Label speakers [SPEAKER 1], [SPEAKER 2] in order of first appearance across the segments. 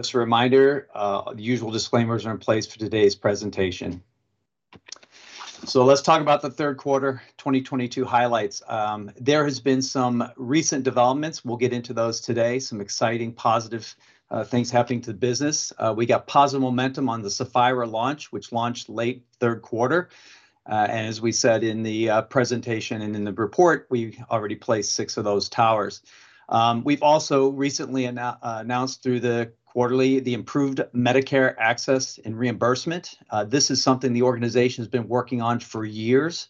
[SPEAKER 1] Just a reminder, the usual disclaimers are in place for today's presentation. Let's talk about the third quarter 2022 highlights. There has been some recent developments. We'll get into those today. Some exciting, positive things happening to the business. We got positive momentum on the SAPPHIRA launch, which launched late third quarter. As we said in the presentation and in the report, we already placed six of those towers. We've also recently announced through the quarterly the improved Medicare access and reimbursement. This is something the organization's been working on for years,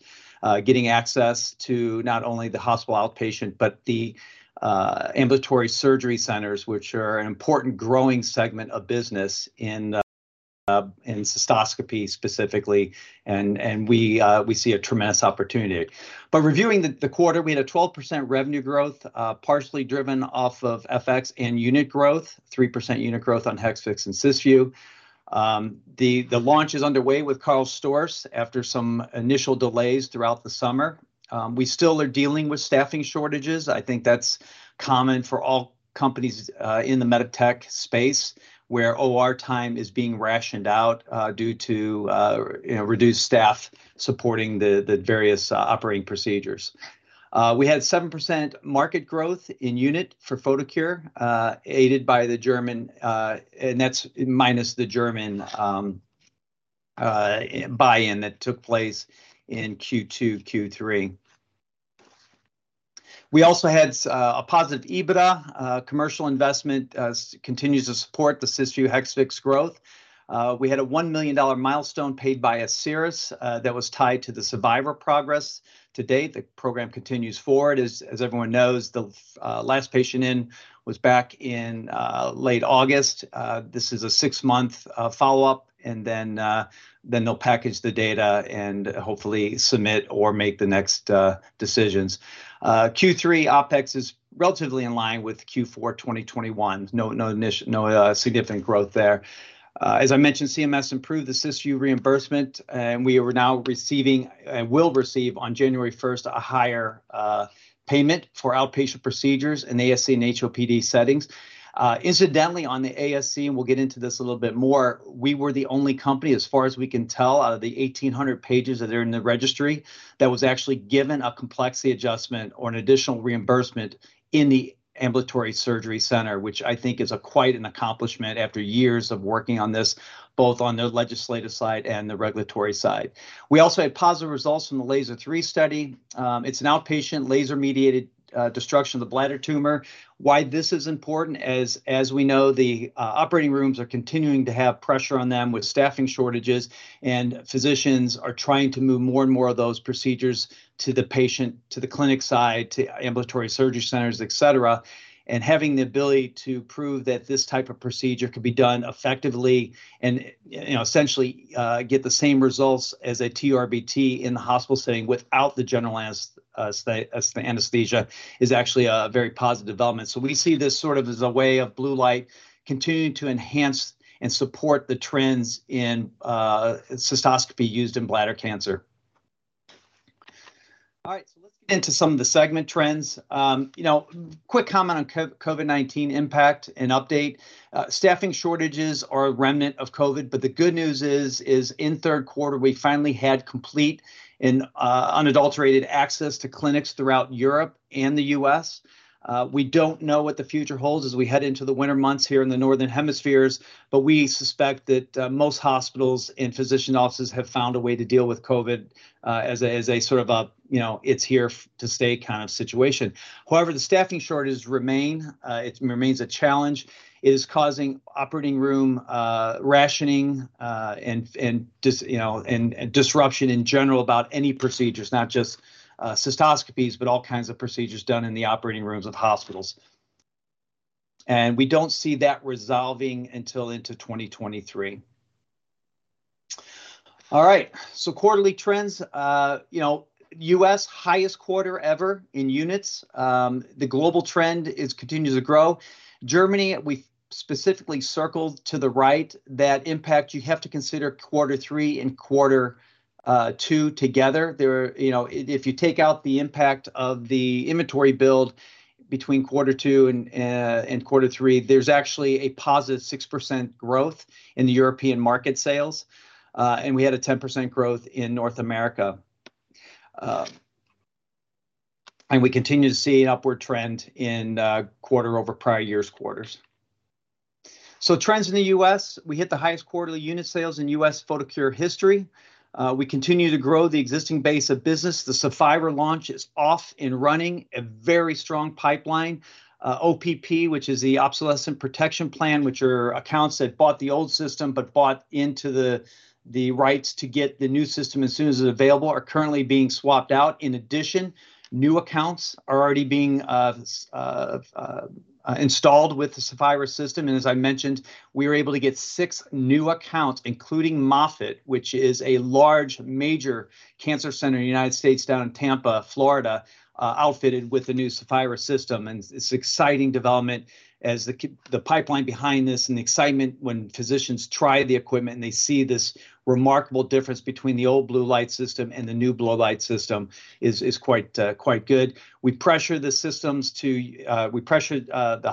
[SPEAKER 1] getting access to not only the hospital outpatient, but the ambulatory surgery centers, which are an important growing segment of business in cystoscopy specifically. We see a tremendous opportunity. Reviewing the quarter, we had a 12% revenue growth, partially driven off of FX and unit growth, 3% unit growth on Hexvix and Cysview. The launch is underway with KARL STORZ after some initial delays throughout the summer. We still are dealing with staffing shortages. I think that's common for all companies in the medtech space, where OR time is being rationed out, due to you know, reduced staff supporting the various operating procedures. We had 7% market growth in unit for Photocure, aided by the German and that's minus the German buy-in that took place in Q2, Q3. We also had a positive EBITDA. Commercial investment continues to support the Cysview, Hexvix growth. We had a $1 million milestone paid by Asieris that was tied to the Cevira progress. To date, the program continues forward. As everyone knows, the last patient in was back in late August. This is a six-month follow-up, and then they'll package the data and hopefully submit or make the next decisions. Q3 OpEx is relatively in line with Q4 2021. No significant growth there. As I mentioned, CMS improved the Cysview reimbursement, and we are now receiving and will receive on January 1st a higher payment for outpatient procedures in ASC and HOPD settings. Incidentally, on the ASC, and we'll get into this a little bit more, we were the only company, as far as we can tell out of the 1,800 pages that are in the registry, that was actually given a complexity adjustment or an additional reimbursement in the ambulatory surgery center, which I think is quite an accomplishment after years of working on this, both on the legislative side and the regulatory side. We also had positive results from the Laser III study. It's an outpatient laser-mediated destruction of the bladder tumor. Why this is important, as we know, the operating rooms are continuing to have pressure on them with staffing shortages, and physicians are trying to move more and more of those procedures to the outpatient, to the clinic side, to ambulatory surgery centers, et cetera. Having the ability to prove that this type of procedure can be done effectively and, you know, essentially, get the same results as a TURBT in the hospital setting without the general anesthesia is actually a very positive development. We see this sort of as a way of blue light continuing to enhance and support the trends in cystoscopy used in bladder cancer. All right. Let's get into some of the segment trends. You know, quick comment on COVID-19 impact and update. Staffing shortages are a remnant of COVID, but the good news is in third quarter, we finally had complete and unadulterated access to clinics throughout Europe and the U.S. We don't know what the future holds as we head into the winter months here in the northern hemispheres, but we suspect that most hospitals and physician offices have found a way to deal with COVID as a sort of, you know, it's here to stay kind of situation. However, the staffing shortages remain. It remains a challenge. It is causing operating room rationing and disruption in general about any procedures, not just cystoscopies, but all kinds of procedures done in the operating rooms of hospitals. We don't see that resolving until into 2023. All right, so quarterly trends. You know, US highest quarter ever in units. The global trend is continuing to grow. Germany, we've specifically circled to the right that impact. You have to consider quarter three and quarter two together. You know, if you take out the impact of the inventory build between quarter two and quarter three, there's actually a +6% growth in the European market sales. We had a 10% growth in North America. We continue to see an upward trend in quarter over prior years' quarters. Trends in the U.S., we hit the highest quarterly unit sales in U.S. Photocure history. We continue to grow the existing base of business. The SAPPHIRA launch is off and running, a very strong pipeline. OPP, which is the obsolescence protection plan, which are accounts that bought the old system but bought into the rights to get the new system as soon as it's available, are currently being swapped out. In addition, new accounts are already being installed with the SAPPHIRA system. As I mentioned, we were able to get six new accounts, including Moffitt, which is a large, major cancer center in the United States down in Tampa, Florida, outfitted with the new SAPPHIRA system. It's exciting development as the pipeline behind this and the excitement when physicians try the equipment and they see this remarkable difference between the old blue light system and the new blue light system is quite good. We pressure the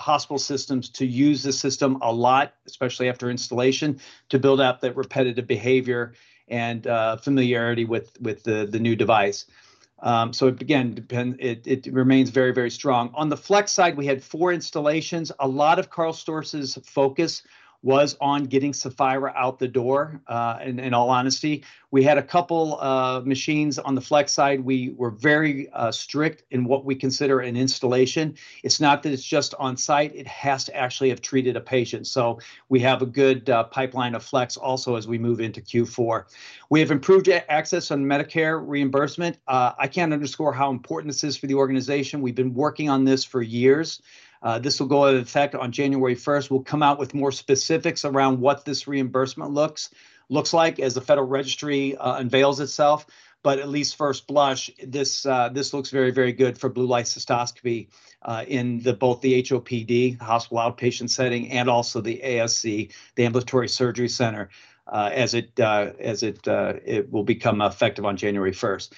[SPEAKER 1] hospital systems to use the system a lot, especially after installation, to build out that repetitive behavior and familiarity with the new device. It remains very strong. On the Hexvix side, we had four installations. A lot of KARL STORZ's focus was on getting SAPPHIRA out the door, in all honesty. We had a couple of machines on the flex side. We were very strict in what we consider an installation. It's not that it's just on site, it has to actually have treated a patient. We have a good pipeline of flex also as we move into Q4. We have improved access on Medicare reimbursement. I can't underscore how important this is for the organization. We've been working on this for years. This will go into effect on January 1st. We'll come out with more specifics around what this reimbursement looks like as the federal registry unveils itself. At first blush, this looks very, very good for Blue Light Cystoscopy in both the HOPD, hospital outpatient setting, and also the ASC, the ambulatory surgery center, as it will become effective on January 1st.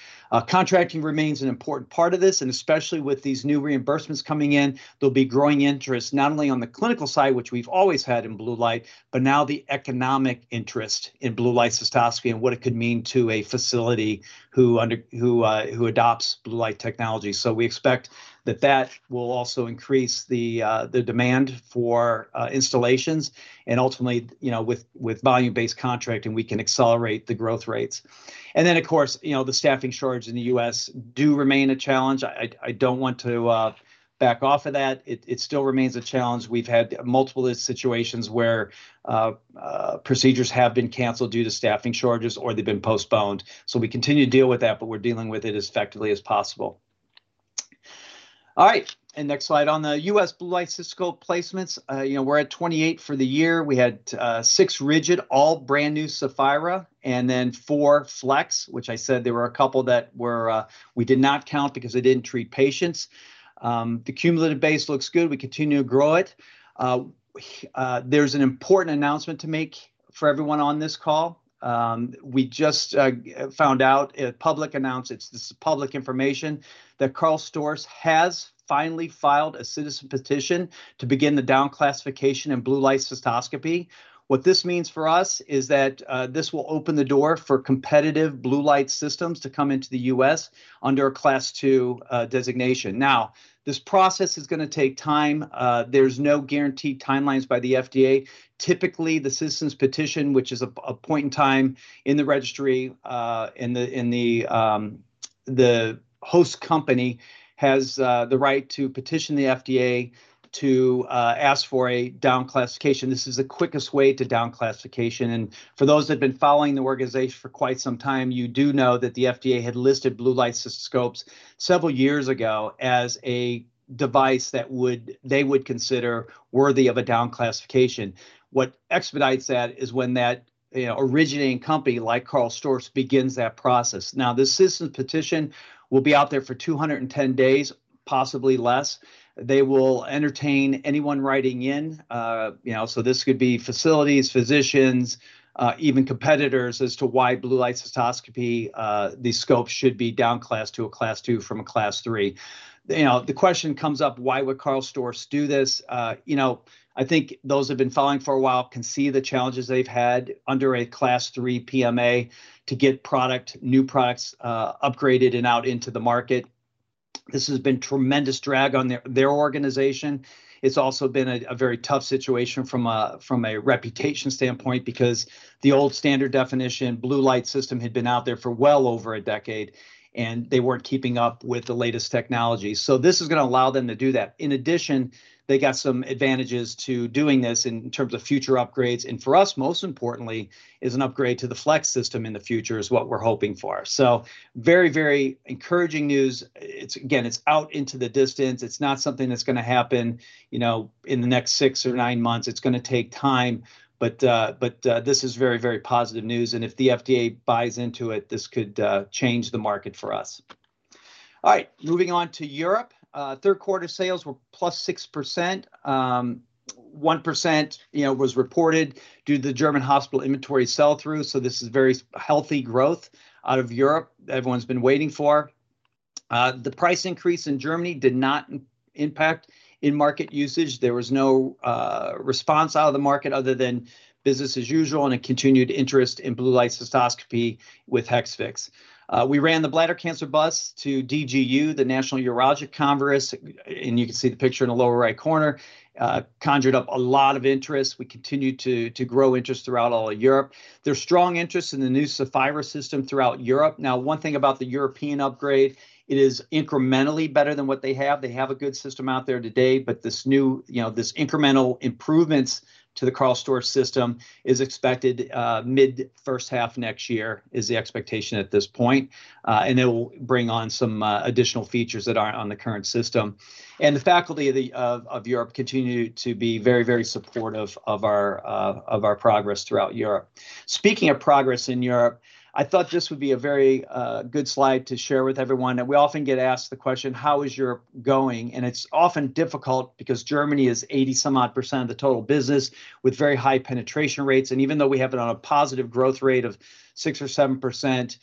[SPEAKER 1] Contracting remains an important part of this, and especially with these new reimbursements coming in, there'll be growing interest not only on the clinical side, which we've always had in blue light, but now the economic interest in Blue Light Cystoscopy and what it could mean to a facility who adopts blue light technology. We expect that will also increase the demand for installations and ultimately, you know, with volume-based contracting, we can accelerate the growth rates. Of course, you know, the staffing shortage in the U.S. does remain a challenge. I don't want to back off of that. It still remains a challenge. We've had multiple situations where procedures have been canceled due to staffing shortages or they've been postponed. We continue to deal with that, but we're dealing with it as effectively as possible. All right. Next slide. On the U.S. blue light cystoscope placements, you know, we're at 28 for the year. We had six rigid, all brand new SAPPHIRA, and then four flex, which I said there were a couple that were, we did not count because they didn't treat patients. The cumulative base looks good. We continue to grow it. There's an important announcement to make for everyone on this call. We just found out it's public information that KARL STORZ has finally filed a citizen petition to begin the down-classification in Blue Light Cystoscopy. What this means for us is that this will open the door for competitive blue light systems to come into the U.S. under a Class II designation. Now, this process is gonna take time. There's no guaranteed timelines by the FDA. Typically, the Citizen Petition, which is a point in time in the registry, the host company has the right to petition the FDA to ask for a down-classification. This is the quickest way to down-classification. For those that have been following the organization for quite some time, you do know that the FDA had listed blue light cystoscopes several years ago as a device that they would consider worthy of a down-classification. What expedites that is when that, you know, originating company, like KARL STORZ, begins that process. Now, the citizen petition will be out there for 210 days, possibly less. They will entertain anyone writing in, you know, so this could be facilities, physicians, even competitors as to why blue light cystoscopy, these scopes should be down-classed to a Class II from a Class III. You know, the question comes up, why would KARL STORZ do this? You know, I think those who have been following for a while can see the challenges they've had under a Class III PMA to get product, new products, upgraded and out into the market. This has been tremendous drag on their organization. It's also been a very tough situation from a reputation standpoint because the old standard definition blue light system had been out there for well over a decade, and they weren't keeping up with the latest technology. This is gonna allow them to do that. In addition, they got some advantages to doing this in terms of future upgrades. For us, most importantly, is an upgrade to the flex system in the future is what we're hoping for. Very, very encouraging news. It's, again, out into the distance. It's not something that's gonna happen, you know, in the next six or nine months. It's gonna take time, but this is very, very positive news. If the FDA buys into it, this could change the market for us. All right, moving on to Europe. Third quarter sales were +6%. 1%, you know, was reported due to the German hospital inventory sell-through. This is very healthy growth out of Europe that everyone's been waiting for. The price increase in Germany did not impact in-market usage. There was no response out of the market other than business as usual and a continued interest in Blue Light Cystoscopy with Hexvix. We ran the bladder cancer bus to DGU, the National Urologic Congress, and you can see the picture in the lower right corner. Conjured up a lot of interest. We continue to grow interest throughout all of Europe. There's strong interest in the new SAPPHIRA system throughout Europe. Now, one thing about the European upgrade, it is incrementally better than what they have. They have a good system out there today, but you know, this incremental improvements to the KARL STORZ system is expected mid-first half next year, is the expectation at this point. And it will bring on some additional features that aren't on the current system. The faculty of Europe continue to be very, very supportive of our progress throughout Europe. Speaking of progress in Europe, I thought this would be a very good slide to share with everyone. We often get asked the question, "How is Europe going?" It's often difficult because Germany is 80-some-odd% of the total business with very high penetration rates. Even though we have it on a positive growth rate of 6% or 7%,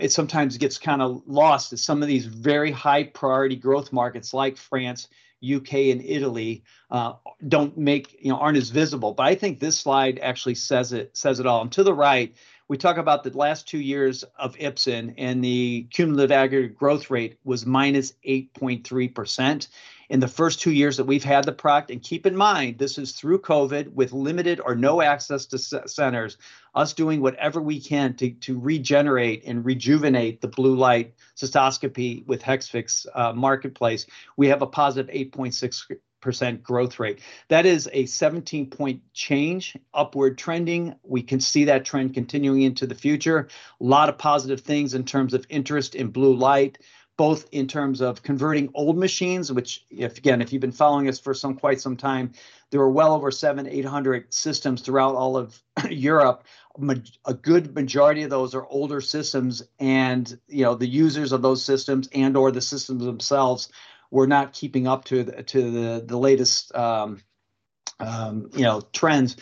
[SPEAKER 1] it sometimes gets kinda lost as some of these very high priority growth markets like France, U.K., and Italy aren't as visible. I think this slide actually says it all. To the right, we talk about the last two years of Ipsen and the cumulative aggregate growth rate was -8.3% in the first two years that we've had the product. Keep in mind, this is through COVID with limited or no access to cystocenters, us doing whatever we can to regenerate and rejuvenate the blue light cystoscopy with Hexvix marketplace. We have a positive 8.6% growth rate. That is a 17-point change upward trending. We can see that trend continuing into the future. A lot of positive things in terms of interest in blue light, both in terms of converting old machines, which, if you've been following us for some quite some time, there were well over 700-800 systems throughout all of Europe. A good majority of those are older systems and, you know, the users of those systems and/or the systems themselves were not keeping up to the latest, you know, trends.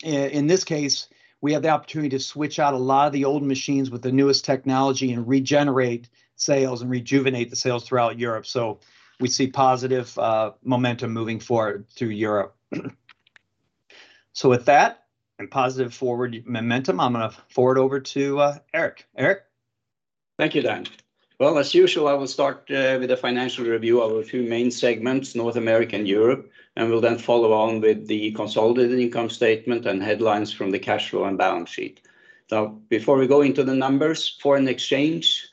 [SPEAKER 1] In this case, we had the opportunity to switch out a lot of the old machines with the newest technology and regenerate sales and rejuvenate the sales throughout Europe. We see positive momentum moving forward through Europe. With that and positive forward momentum, I'm gonna hand over to Erik. Erik?
[SPEAKER 2] Thank you, Dan. Well, as usual, I will start with the financial review of a few main segments, North America and Europe, and we'll then follow on with the consolidated income statement and headlines from the cash flow and balance sheet. Now, before we go into the numbers, foreign exchange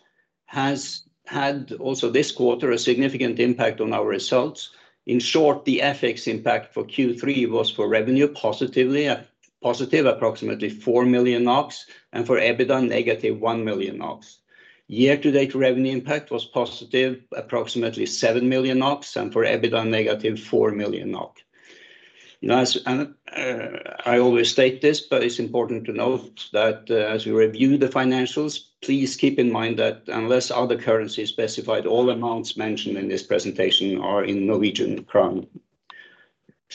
[SPEAKER 2] has had also this quarter a significant impact on our results. In short, the FX impact for Q3 was for revenue positive approximately 4 million NOK and for EBITDA -1 million NOK. Year-to-date revenue impact was positive approximately 7 million NOK and for EBITDA -4 million NOK. I always state this, but it's important to note that, as we review the financials, please keep in mind that unless other currency is specified, all amounts mentioned in this presentation are in Norwegian krone.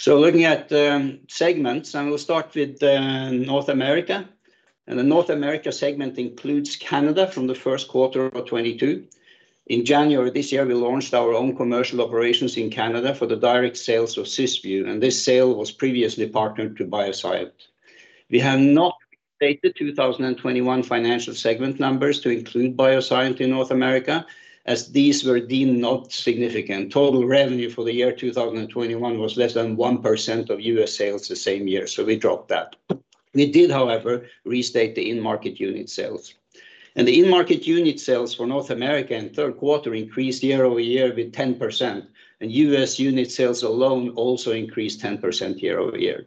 [SPEAKER 2] Looking at the segments, we'll start with North America. The North America segment includes Canada from the first quarter of 2022. In January this year, we launched our own commercial operations in Canada for the direct sales of Cysview, and this sale was previously partnered to BioSyent. We have not restated 2021 financial segment numbers to include BioSyent in North America, as these were deemed not significant. Total revenue for the year 2021 was less than 1% of U.S. sales the same year. We dropped that. We did, however, restate the in-market unit sales. The in-market unit sales for North America in third quarter increased year-over-year by 10%, and U.S. unit sales alone also increased 10% year-over-year.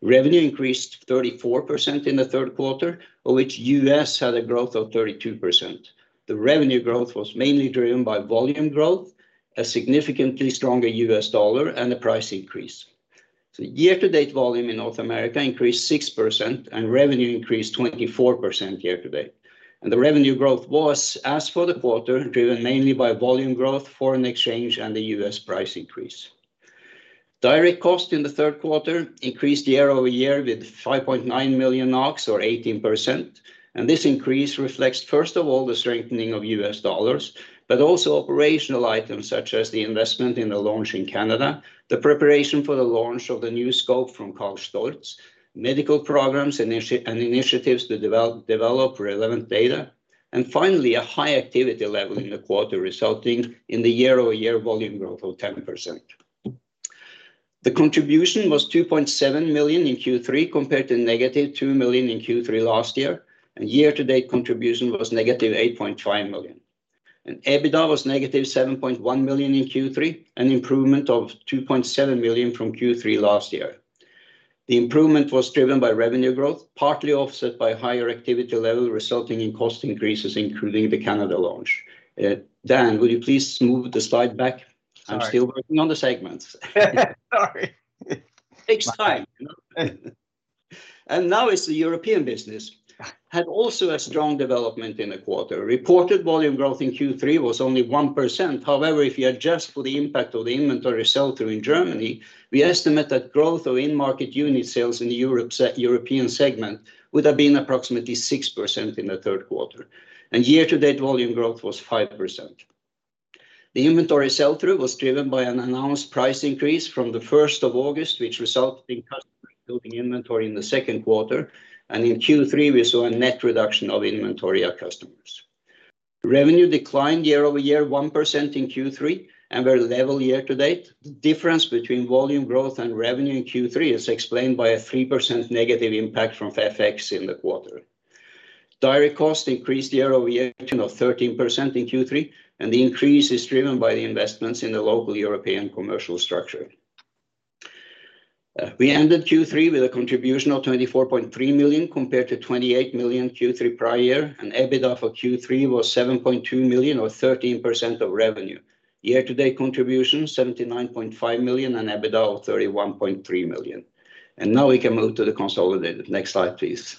[SPEAKER 2] Revenue increased 34% in the third quarter, of which U.S. had a growth of 32%. The revenue growth was mainly driven by volume growth, a significantly stronger U.S. dollar, and the price increase. Year-to-date volume in North America increased 6%, and revenue increased 24% year-to-date. The revenue growth was, as for the quarter, driven mainly by volume growth, foreign exchange, and the U.S. price increase. Direct cost in the third quarter increased year-over-year with 5.9 million NOK or 18%, and this increase reflects first of all the strengthening of U.S. dollars, but also operational items such as the investment in the launch in Canada, the preparation for the launch of the new scope from KARL STORZ, medical programs and initiatives to develop relevant data, and finally, a high activity level in the quarter resulting in the year-over-year volume growth of 10%. The contribution was 2.7 million in Q3 compared to -2 million in Q3 last year, and year to date contribution was -8.5 million. EBITDA was -7.1 million in Q3, an improvement of 2.7 million from Q3 last year. The improvement was driven by revenue growth, partly offset by higher activity level resulting in cost increases, including the Canada launch. Dan, would you please move the slide back?
[SPEAKER 1] Sorry.
[SPEAKER 2] I'm still working on the segments.
[SPEAKER 1] Sorry.
[SPEAKER 2] Takes time, you know? Now it's the European business. Had also a strong development in the quarter. Reported volume growth in Q3 was only 1%. However, if you adjust for the impact of the inventory sell-through in Germany, we estimate that growth of in-market unit sales in the European segment would have been approximately 6% in the third quarter, and year-to-date volume growth was 5%. The inventory sell-through was driven by an announced price increase from the 1st of August, which resulted in customers building inventory in the second quarter. In Q3, we saw a net reduction of inventory at customers. Revenue declined year-over-year 1% in Q3 and were level year-to-date. The difference between volume growth and revenue in Q3 is explained by a 3% negative impact from FX in the quarter. Direct costs increased year-over-year 10% or 13% in Q3, and the increase is driven by the investments in the local European commercial structure. We ended Q3 with a contribution of 24.3 million compared to 28 million Q3 prior year, and EBITDA for Q3 was 7.2 million or 13% of revenue. Year-to-date contribution 79.5 million and EBITDA of 31.3 million. Now we can move to the consolidated. Next slide, please.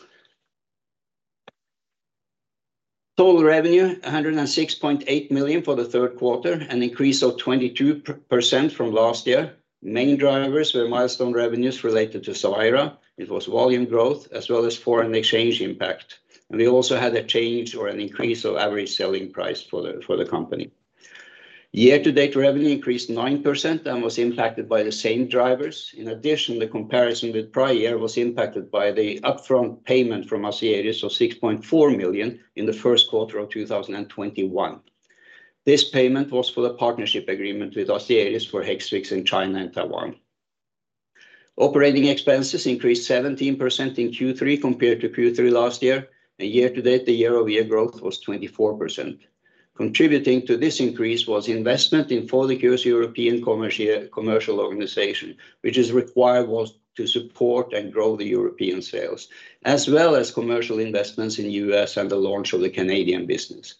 [SPEAKER 2] Total revenue 106.8 million for the third quarter, an increase of 22% from last year. Main drivers were milestone revenues related to Cevira. It was volume growth as well as foreign exchange impact. We also had a change or an increase of average selling price for the company. Year-to-date revenue increased 9% and was impacted by the same drivers. In addition, the comparison with prior year was impacted by the upfront payment from Ascletis of 6.4 million in the first quarter of 2021. This payment was for the partnership agreement with Ascletis for Hexvix in China and Taiwan. Operating expenses increased 17% in Q3 compared to Q3 last year, and year-to-date the year-over-year growth was 24%. Contributing to this increase was investment in Photocure's European commercial organization, which is required to support and grow the European sales, as well as commercial investments in the U.S. and the launch of the Canadian business.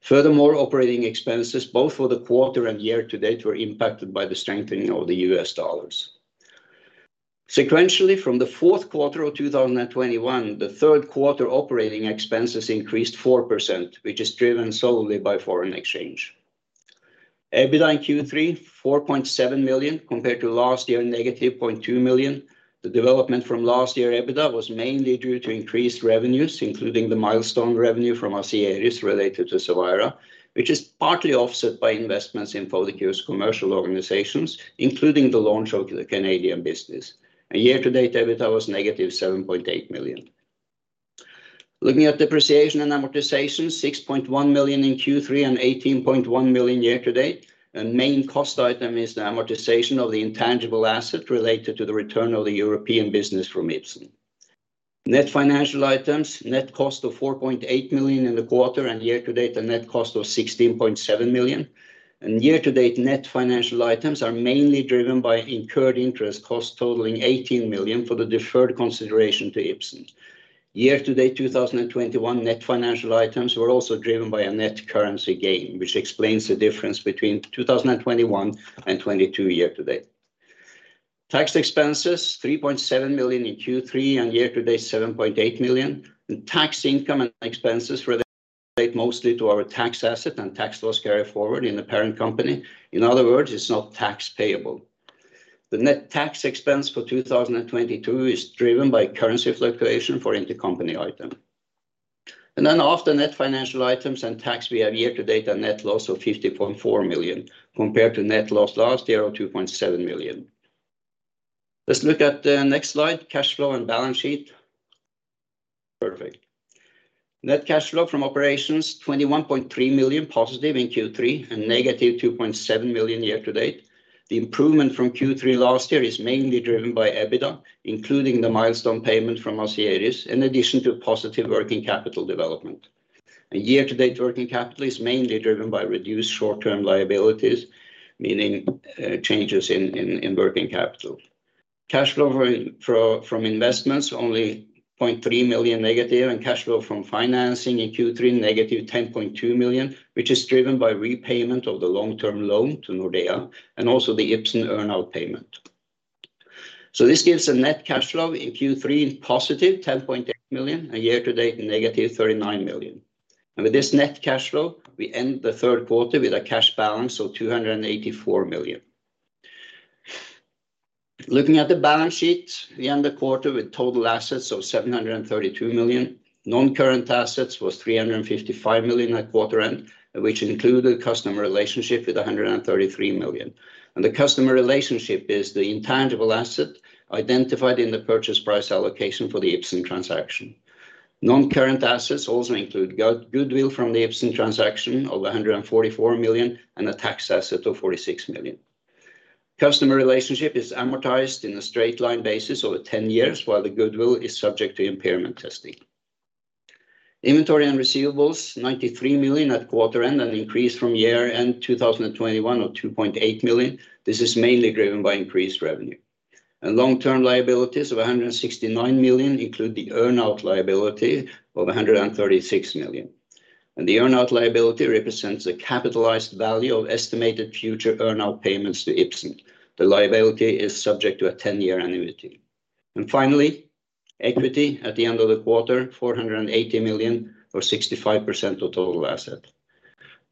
[SPEAKER 2] Furthermore, operating expenses both for the quarter and year-to-date were impacted by the strengthening of the U.S. dollars. Sequentially from the fourth quarter of 2021, the third quarter operating expenses increased 4%, which is driven solely by foreign exchange. EBITDA in Q3, 4.7 million compared to last year -0.2 million. The development from last year EBITDA was mainly due to increased revenues, including the milestone revenue from Asieris related to Cevira, which is partly offset by investments in Photocure's commercial organizations, including the launch of the Canadian business. Year-to-date EBITDA was -7.8 million. Looking at depreciation and amortization, 6.1 million in Q3 and 18.1 million year-to-date. Main cost item is the amortization of the intangible asset related to the return of the European business from Ipsen. Net financial items, net cost of 4.8 million in the quarter and year-to-date a net cost of 16.7 million. Year-to-date net financial items are mainly driven by incurred interest costs totaling 18 million for the deferred consideration to Ipsen. Year-to-date 2021 net financial items were also driven by a net currency gain, which explains the difference between 2021 and 2022 year-to-date. Tax expenses, 3.7 million in Q3 and year-to-date 7.8 million. Tax income and expenses relate mostly to our tax asset and tax loss carryforward in the parent company. In other words, it's not tax payable. The net tax expense for 2022 is driven by currency fluctuation for intercompany item. After net financial items and tax, we have year-to-date a net loss of 50.4 million compared to net loss last year of 2.7 million. Let's look at the next slide, cash flow and balance sheet. Perfect. Net cash flow from operations, 21.3 million positive in Q3 and -2.7 million year-to-date. The improvement from Q3 last year is mainly driven by EBITDA, including the milestone payment from Ascletis, in addition to positive working capital development. Year-to-date working capital is mainly driven by reduced short-term liabilities, meaning changes in working capital. Cash flow from investments only -0.3 million and cash flow from financing in Q3 -10.2 million, which is driven by repayment of the long-term loan to Nordea and also the Ipsen earn out payment. This gives a net cash flow in Q3 10.8 million and year-to-date -39 million. With this net cash flow, we end the third quarter with a cash balance of 284 million. Looking at the balance sheet, we end the quarter with total assets of 732 million. Non-current assets was 355 million at quarter end, which include the customer relationship with 133 million. The customer relationship is the intangible asset identified in the purchase price allocation for the Ipsen transaction. Non-current assets also include goodwill from the Ipsen transaction of 144 million and a tax asset of 46 million. Customer relationship is amortized in a straight-line basis over ten years, while the goodwill is subject to impairment testing. Inventory and receivables, 93 million at quarter end, an increase from year-end 2021 of 2.8 million. This is mainly driven by increased revenue. Long-term liabilities of 169 million include the earnout liability of 136 million. The earnout liability represents the capitalized value of estimated future earnout payments to Ipsen. The liability is subject to a 10-year annuity. Finally, equity at the end of the quarter, 480 million or 65% of total assets.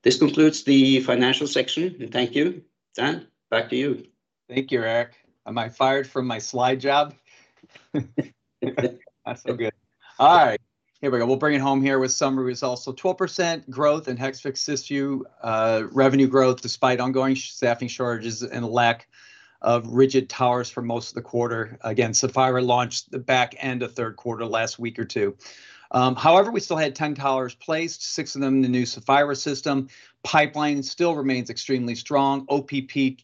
[SPEAKER 2] This concludes the financial section. Thank you. Dan, back to you.
[SPEAKER 1] Thank you, Erik. Am I fired from my slide job? That's so good. All right, here we go. We'll bring it home here with summary results. 12% growth in Hexvix/Cysview revenue growth despite ongoing staffing shortages and a lack of rigid towers for most of the quarter. Again, SAPPHIRA launched the back end of third quarter last week or two. However, we still had 10 towers placed, six of them in the new SAPPHIRA system. Pipeline still remains extremely strong. OPP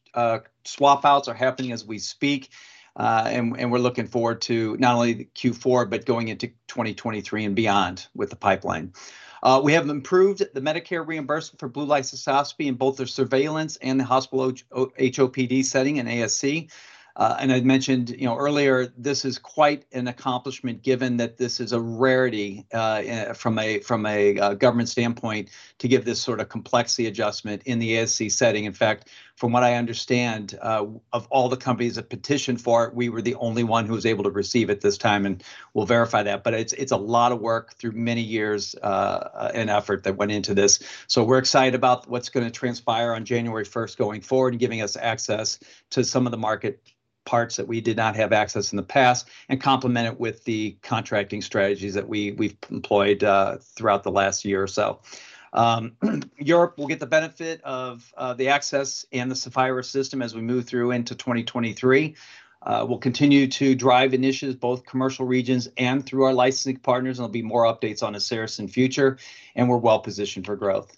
[SPEAKER 1] swap outs are happening as we speak. And we're looking forward to not only the Q4, but going into 2023 and beyond with the pipeline. We have improved the Medicare reimbursement for Blue Light Cystoscopy in both their surveillance and the hospital HOPD setting and ASC. I'd mentioned, you know, earlier this is quite an accomplishment given that this is a rarity from a government standpoint to give this sort of complexity adjustment in the ASC setting. In fact, from what I understand, of all the companies that petitioned for it, we were the only one who was able to receive at this time, and we'll verify that. It's a lot of work through many years and effort that went into this. We're excited about what's gonna transpire on January 1st going forward and giving us access to some of the market parts that we did not have access in the past, and complement it with the contracting strategies that we've employed throughout the last year or so. Europe will get the benefit of the access and the SAPPHIRA system as we move through into 2023. We'll continue to drive initiatives, both commercial regions and through our licensing partners. There'll be more updates on Asieris in future, and we're well positioned for growth.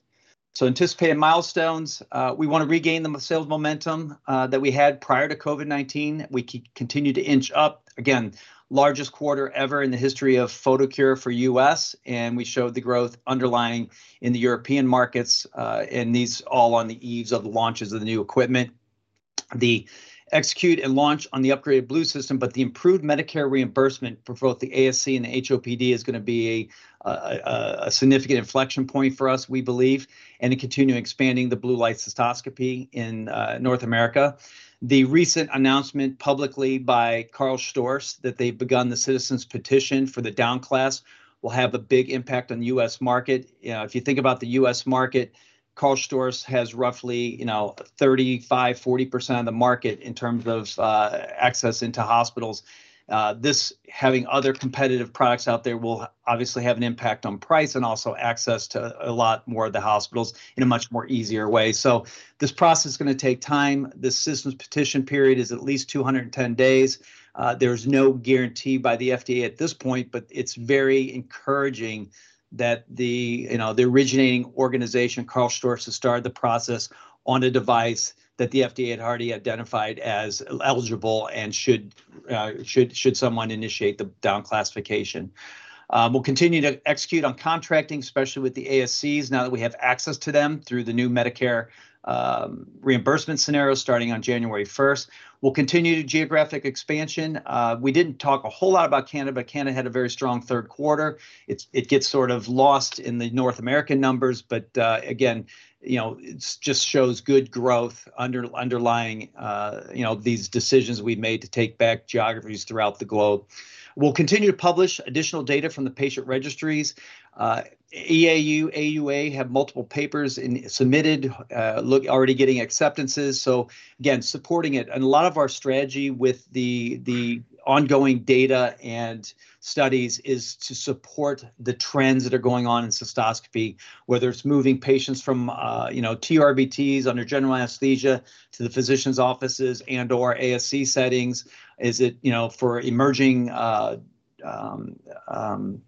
[SPEAKER 1] Anticipated milestones. We wanna regain the sales momentum that we had prior to COVID-19. We continue to inch up. Again, largest quarter ever in the history of Photocure for U.S., and we showed the growth underlying in the European markets, and these all on the eve of the launches of the new equipment. The execution and launch on the upgraded blue system, but the improved Medicare reimbursement for both the ASC and the HOPD is gonna be a significant inflection point for us, we believe, and to continue expanding the blue light cystoscopy in North America. The recent announcement publicly by KARL STORZ that they've begun the citizen petition for the down-class will have a big impact on the U.S. market. You know, if you think about the U.S. market, KARL STORZ has roughly, you know, 35%-40% of the market in terms of access into hospitals. This, having other competitive products out there will obviously have an impact on price and also access to a lot more of the hospitals in a much more easier way. This process is gonna take time. This citizen's petition period is at least 210 days. There's no guarantee by the FDA at this point, but it's very encouraging that the, you know, the originating organization, KARL STORZ, has started the process on a device that the FDA had already identified as eligible and should someone initiate the down-classification. We'll continue to execute on contracting, especially with the ASCs now that we have access to them through the new Medicare reimbursement scenario starting on January 1st. We'll continue geographic expansion. We didn't talk a whole lot about Canada, but Canada had a very strong third quarter. It gets sort of lost in the North American numbers, but, again, you know, it just shows good growth underlying, you know, these decisions we've made to take back geographies throughout the globe. We'll continue to publish additional data from the patient registries. EAU, AUA have multiple papers submitted, already getting acceptances, so again, supporting it. A lot of our strategy with the ongoing data and studies is to support the trends that are going on in cystoscopy, whether it's moving patients from, you know, TURBTs under general anesthesia to the physician's offices and/or ASC settings. Is it, you know, for emerging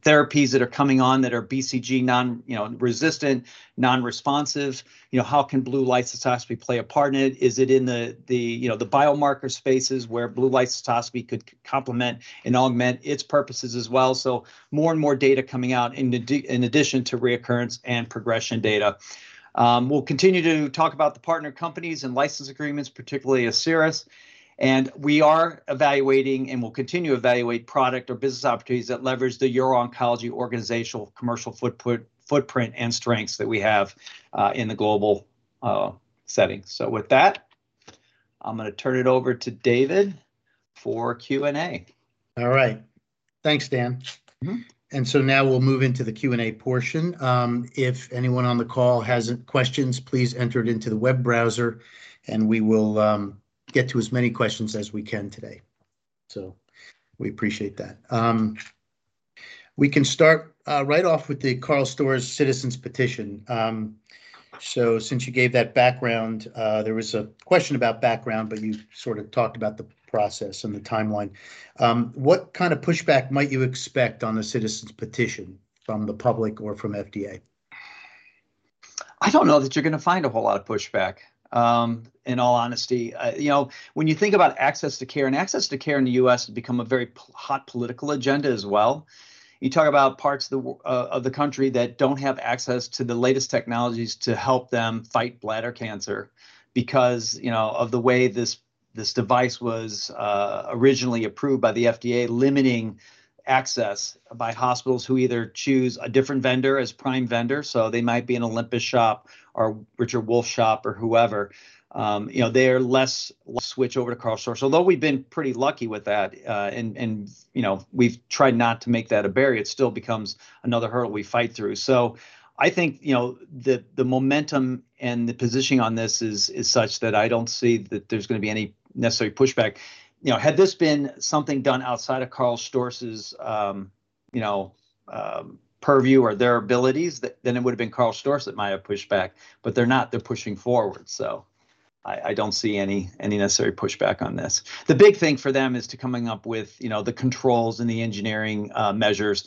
[SPEAKER 1] therapies that are coming on that are BCG non-resistant, non-responsive? You know, how can blue light cystoscopy play a part in it? Is it in the biomarker spaces where blue light cystoscopy could complement and augment its purposes as well? More and more data coming out in addition to recurrence and progression data. We'll continue to talk about the partner companies and license agreements, particularly Asieris, and we are evaluating and will continue to evaluate product or business opportunities that leverage the urooncology organizational commercial footprint and strengths that we have in the global setting. With that, I'm gonna turn it over to David for Q&A.
[SPEAKER 3] All right. Thanks, Dan.
[SPEAKER 1] Mm-hmm.
[SPEAKER 3] Now we'll move into the Q&A portion. If anyone on the call has questions, please enter it into the web browser, and we will get to as many questions as we can today. We appreciate that. We can start right off with the KARL STORZ citizen petition. Since you gave that background, there was a question about background, but you sort of talked about the process and the timeline. What kind of pushback might you expect on the citizen petition from the public or from FDA?
[SPEAKER 1] I don't know that you're gonna find a whole lot of pushback, in all honesty. You know, when you think about access to care, and access to care in the U.S. has become a very hot political agenda as well, you talk about parts of the country that don't have access to the latest technologies to help them fight bladder cancer because, you know, of the way this device was originally approved by the FDA limiting access by hospitals who either choose a different vendor as prime vendor, so they might be an Olympus shop or Richard Wolf shop or whoever. You know, they're less switch over to KARL STORZ. Although we've been pretty lucky with that, and you know, we've tried not to make that a barrier, it still becomes another hurdle we fight through. I think, you know, the momentum and the positioning on this is such that I don't see that there's gonna be any necessary pushback. You know, had this been something done outside of KARL STORZ's purview or their abilities, then it would've been KARL STORZ that might have pushed back, but they're not, they're pushing forward. I don't see any necessary pushback on this. The big thing for them is coming up with, you know, the controls and the engineering measures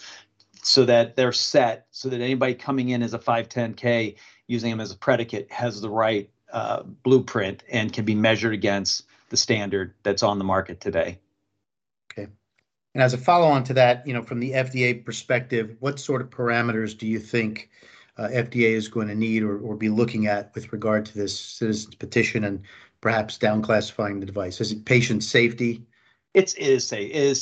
[SPEAKER 1] so that they're set so that anybody coming in as a 510(k) using them as a predicate has the right blueprint and can be measured against the standard that's on the market today.
[SPEAKER 3] Okay. As a follow on to that, you know, from the FDA perspective, what sort of parameters do you think, FDA is going to need or be looking at with regard to this citizen petition and perhaps down-classifying the device? Is it patient safety?
[SPEAKER 1] It is safety.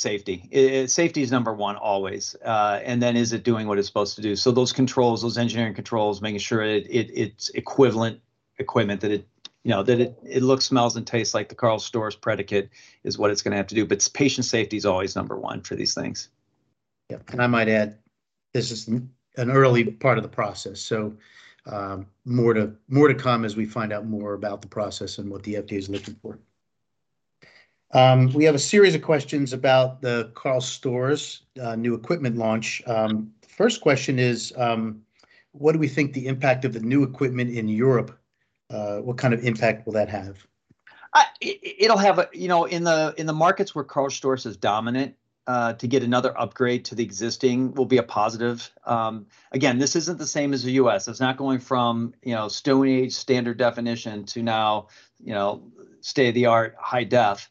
[SPEAKER 1] Safety is number one always. Then is it doing what it's supposed to do? Those controls, those engineering controls, making sure it's equivalent equipment, that it you know looks, smells, and tastes like the KARL STORZ predicate is what it's gonna have to do, patient safety is always number one for these things.
[SPEAKER 3] Yeah. I might add, this is an early part of the process, so more to come as we find out more about the process and what the FDA's looking for. We have a series of questions about the KARL STORZ new equipment launch. First question is, what do we think the impact of the new equipment in Europe, what kind of impact will that have?
[SPEAKER 1] You know, in the markets where KARL STORZ is dominant, to get another upgrade to the existing will be a positive. Again, this isn't the same as the U.S. It's not going from, you know, Stone Age standard definition to now, you know, state-of-the-art high def.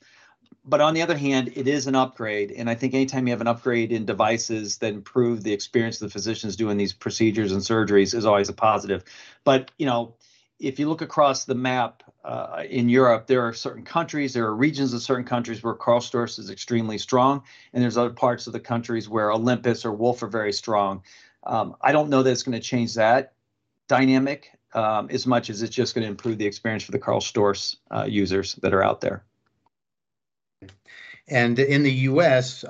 [SPEAKER 1] On the other hand, it is an upgrade, and I think anytime you have an upgrade in devices that improve the experience of the physicians doing these procedures and surgeries is always a positive. You know, if you look across the map, in Europe, there are certain countries, regions of certain countries where KARL STORZ is extremely strong, and there's other parts of the countries where Olympus or Richard Wolf are very strong. I don't know that it's gonna change that dynamic, as much as it's just gonna improve the experience for the KARL STORZ users that are out there.
[SPEAKER 3] In the U.S.,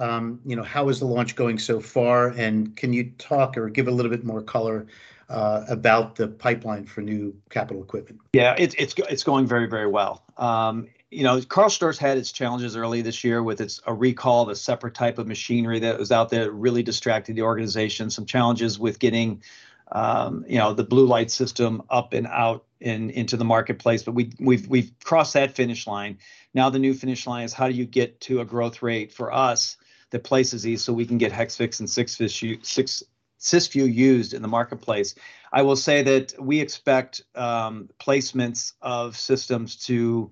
[SPEAKER 3] you know, how is the launch going so far, and can you talk or give a little bit more color about the pipeline for new capital equipment?
[SPEAKER 1] Yeah. It's going very, very well. You know, KARL STORZ had its challenges early this year with a recall of a separate type of machinery that was out there. It really distracted the organization. Some challenges with getting, you know, the blue light system up and into the marketplace, but we've crossed that finish line. Now the new finish line is, how do you get to a growth rate for us that places these so we can get Hexvix and Cysview used in the marketplace? I will say that we expect placements of systems to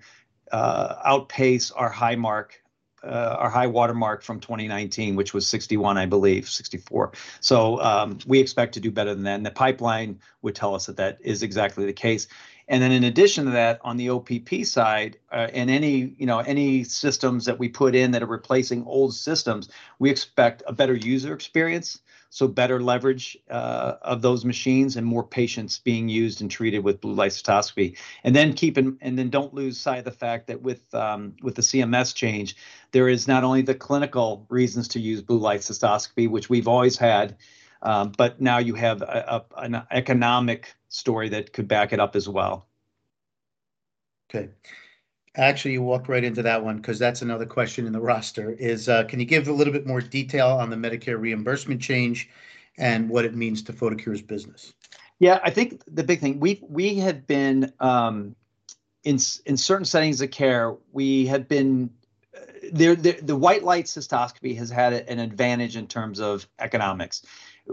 [SPEAKER 1] outpace our high mark, our high watermark from 2019, which was 61, I believe, 64. So, we expect to do better than then. The pipeline would tell us that is exactly the case. In addition to that, on the OPP side, and any, you know, any systems that we put in that are replacing old systems, we expect a better user experience, so better leverage of those machines and more patients being used and treated with Blue Light Cystoscopy. Don't lose sight of the fact that with the CMS change, there is not only the clinical reasons to use Blue Light Cystoscopy, which we've always had, but now you have an economic story that could back it up as well.
[SPEAKER 3] Okay. Actually, you walked right into that one, 'cause that's another question in the roster, is, can you give a little bit more detail on the Medicare reimbursement change and what it means to Photocure's business?
[SPEAKER 1] Yeah. I think the big thing, we had been in certain settings of care, there the white light cystoscopy has had an advantage in terms of economics.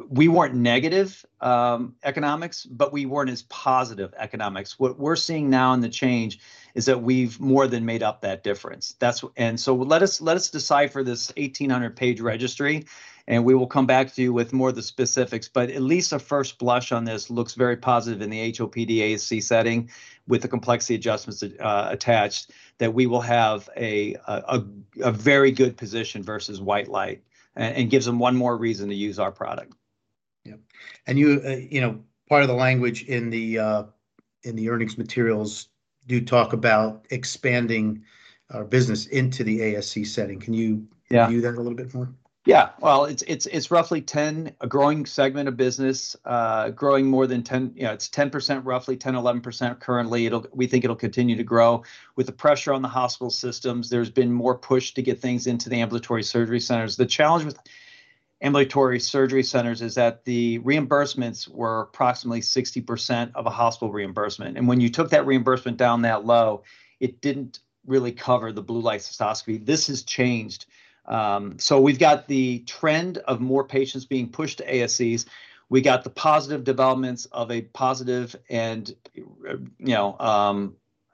[SPEAKER 1] We weren't negative economics, but we weren't as positive economics. What we're seeing now in the change is that we've more than made up that difference. Let us decipher this 1,800-page registry, and we will come back to you with more of the specifics. But at least a first blush on this looks very positive in the HOPD/ASC setting with the complexity adjustments attached that we will have a very good position versus white light and gives them one more reason to use our product.
[SPEAKER 3] Yeah. You know, part of the language in the earnings materials do talk about expanding our business into the ASC setting. Can you-
[SPEAKER 1] Yeah
[SPEAKER 3] View that a little bit more?
[SPEAKER 1] Yeah. Well, it's roughly 10%, a growing segment of business, growing more than 10%, you know, it's 10% roughly, 10%-11% currently. We think it'll continue to grow. With the pressure on the hospital systems, there's been more push to get things into the ambulatory surgery centers. The challenge with ambulatory surgery centers is that the reimbursements were approximately 60% of a hospital reimbursement, and when you took that reimbursement down that low, it didn't really cover the Blue Light Cystoscopy. This has changed. We've got the trend of more patients being pushed to ASCs. We got the positive developments of a positive and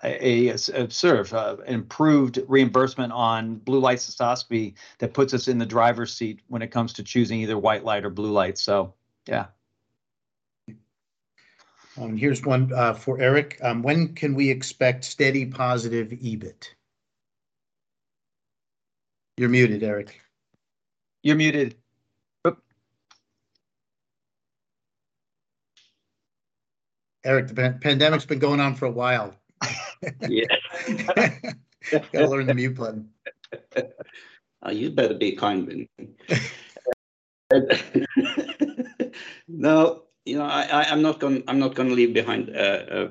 [SPEAKER 1] improved reimbursement on Blue Light Cystoscopy that puts us in the driver's seat when it comes to choosing either white light or blue light. Yeah.
[SPEAKER 3] Here's one for Erik. When can we expect steady positive EBIT? You're muted, Erik.
[SPEAKER 2] Oop.
[SPEAKER 3] Erik, the pandemic's been going on for a while.
[SPEAKER 2] Yeah.
[SPEAKER 3] Gotta learn the mute button.
[SPEAKER 2] Oh, you better be kind then. Now, you know, I'm not gonna leave behind a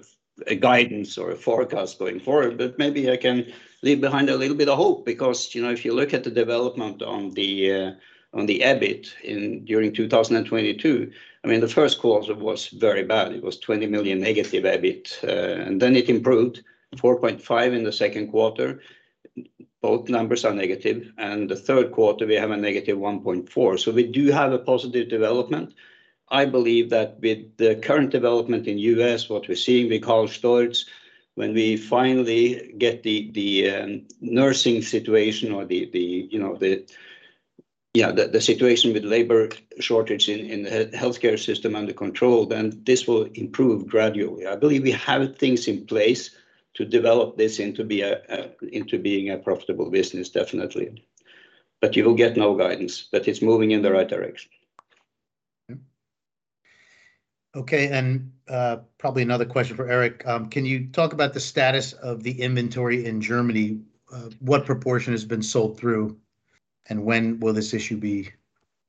[SPEAKER 2] guidance or a forecast going forward, but maybe I can leave behind a little bit of hope. Because, you know, if you look at the development on the EBIT during 2022, I mean, the first quarter was very bad. It was -20 million EBIT. Then it improved, -4.5 million in the second quarter. Both numbers are negative. The third quarter we have a -1.4 million. We do have a positive development. I believe that with the current development in U.S., what we're seeing with KARL STORZ, when we finally get the nursing situation or the, you know, the situation with labor shortage in the healthcare system under control, then this will improve gradually. I believe we have things in place to develop this into being a profitable business, definitely. You will get no guidance, but it's moving in the right direction.
[SPEAKER 3] Okay, probably another question for Erik. Can you talk about the status of the inventory in Germany? What proportion has been sold through, and when will this issue be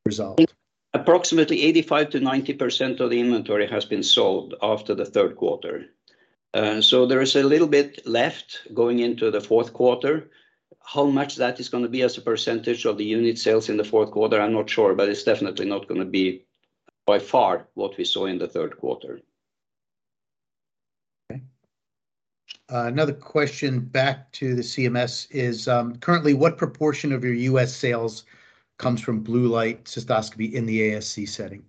[SPEAKER 3] resolved?
[SPEAKER 2] Approximately 85%-90% of the inventory has been sold after the third quarter. There is a little bit left going into the fourth quarter. How much that is gonna be as a percentage of the unit sales in the fourth quarter, I'm not sure, but it's definitely not gonna be by far what we saw in the third quarter.
[SPEAKER 3] Okay. Another question back to the CMS is, currently what proportion of your U.S. sales comes from Blue Light Cystoscopy in the ASC setting?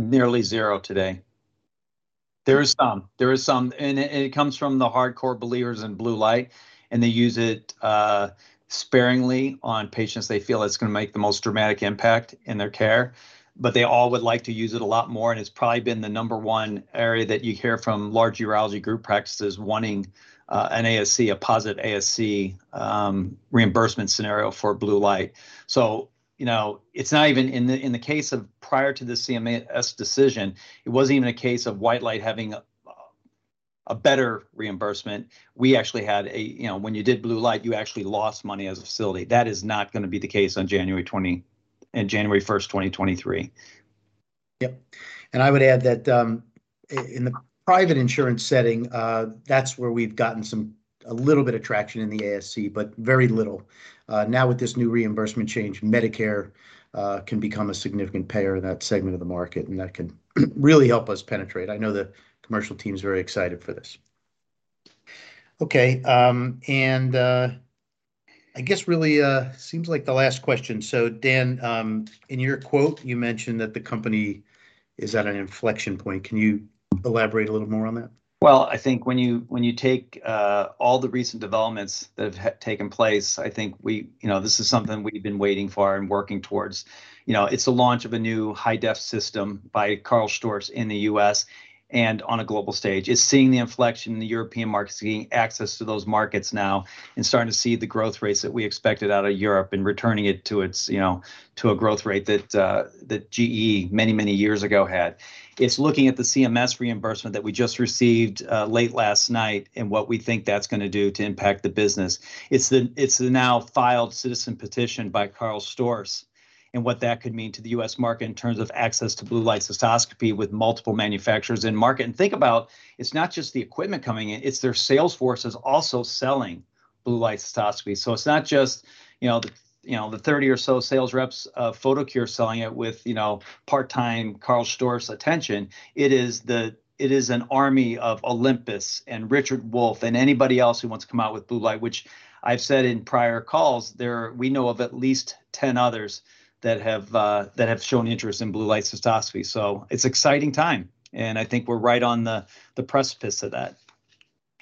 [SPEAKER 1] Nearly zero today. There is some, and it comes from the hardcore believers in blue light, and they use it sparingly on patients they feel it's gonna make the most dramatic impact in their care. They all would like to use it a lot more, and it's probably been the number one area that you hear from large urology group practices wanting a positive ASC reimbursement scenario for blue light. It's not even the case prior to the CMS decision. It wasn't even a case of white light having a better reimbursement. We actually had, when you did blue light, you actually lost money as a facility. That is not gonna be the case on January 1st 2023.
[SPEAKER 3] Yep. I would add that, in the private insurance setting, that's where we've gotten some a little bit of traction in the ASC, but very little. Now with this new reimbursement change, Medicare can become a significant payer in that segment of the market, and that can really help us penetrate. I know the commercial team's very excited for this. Okay, I guess really, seems like the last question. Dan, in your quote you mentioned that the company is at an inflection point. Can you elaborate a little more on that?
[SPEAKER 1] Well, I think when you take all the recent developments that have taken place, I think we you know, this is something we've been waiting for and working towards. You know, it's the launch of a new hi-def system by KARL STORZ in the U.S., and on a global stage. It's seeing the inflection in the European markets, getting access to those markets now, and starting to see the growth rates that we expected out of Europe, and returning it to its, you know, to a growth rate that Germany many, many years ago had. It's looking at the CMS reimbursement that we just received late last night, and what we think that's gonna do to impact the business. It's the now filed citizen petition by KARL STORZ, and what that could mean to the U.S. market in terms of access to blue light cystoscopy with multiple manufacturers in market. Think about, it's not just the equipment coming in, it's their sales forces also selling blue light cystoscopy. It's not just, you know, the 30 or so sales reps of Photocure selling it with, you know, part-time KARL STORZ attention. It is an army of Olympus and Richard Wolf, and anybody else who wants to come out with blue light, which I've said in prior calls, we know of at least 10 others that have shown interest in blue light cystoscopy. It's exciting time, and I think we're right on the precipice of that.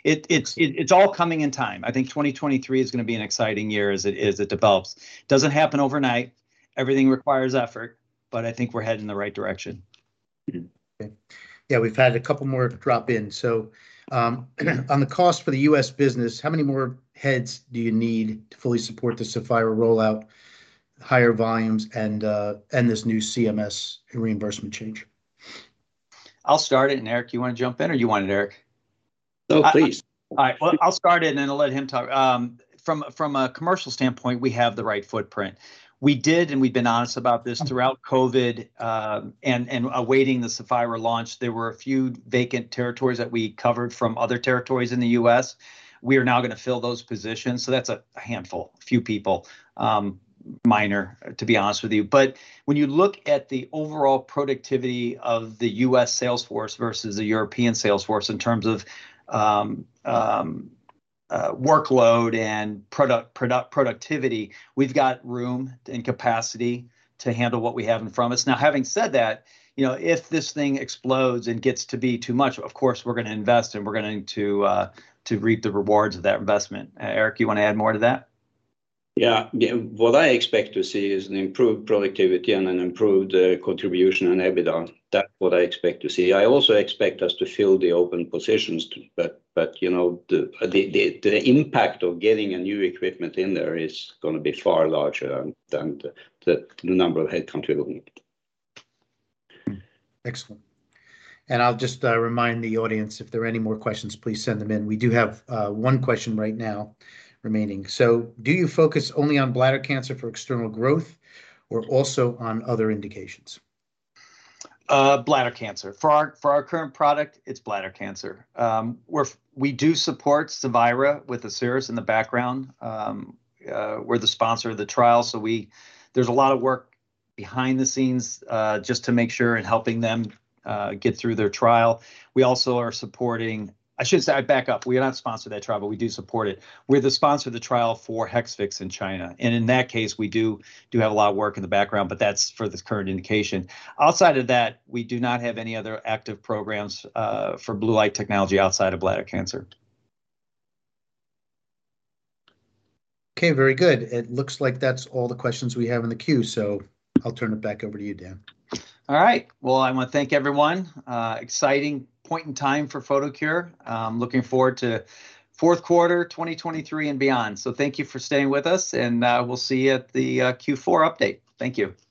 [SPEAKER 1] It's all coming in time. I think 2023 is gonna be an exciting year as it develops. Doesn't happen overnight. Everything requires effort, but I think we're heading in the right direction.
[SPEAKER 3] Okay. Yeah, we've had a couple more drop in. On the cost for the U.S. business, how many more heads do you need to fully support the SAPPHIRA rollout, higher volumes, and this new CMS reimbursement change?
[SPEAKER 1] I'll start it. Erik, you wanna jump in, or you want it, Erik?
[SPEAKER 2] No, please.
[SPEAKER 1] All right. Well, I'll start it and then I'll let him talk. From a commercial standpoint, we have the right footprint. We did, and we've been honest about this, throughout COVID, and awaiting the SAPPHIRA launch, there were a few vacant territories that we covered from other territories in the U.S. We are now gonna fill those positions, so that's a handful, few people. Minor, to be honest with you. When you look at the overall productivity of the U.S. sales force versus the European sales force in terms of workload and product productivity, we've got room and capacity to handle what we have in front of us. Now having said that, you know, if this thing explodes and gets to be too much, of course we're gonna invest and we're going to reap the rewards of that investment. Erik, you wanna add more to that?
[SPEAKER 2] Yeah. Yeah, what I expect to see is an improved productivity and an improved contribution and EBITDA. That what I expect to see. I also expect us to fill the open positions, but you know, the impact of getting a new equipment in there is gonna be far larger than the number of head count we are looking at.
[SPEAKER 3] Excellent. I'll just remind the audience, if there are any more questions, please send them in. We do have one question right now remaining. Do you focus only on bladder cancer for external growth, or also on other indications?
[SPEAKER 1] Bladder cancer. For our current product, it's bladder cancer. We do support SAPPHIRAwith the series in the background. We're the sponsor of the trial, so there's a lot of work behind the scenes, just to make sure and helping them get through their trial. I should say, I back up. We're not sponsor of that trial, but we do support it. We're the sponsor of the trial for Hexvix in China, and in that case, we do have a lot of work in the background, but that's for this current indication. Outside of that, we do not have any other active programs for blue light technology outside of bladder cancer.
[SPEAKER 3] Okay, very good. It looks like that's all the questions we have in the queue, so I'll turn it back over to you, Dan.
[SPEAKER 1] All right. Well, I want to thank everyone. Exciting point in time for Photocure. I'm looking forward to fourth quarter 2023 and beyond. Thank you for staying with us, and we'll see you at the Q4 update. Thank you. Bye-bye.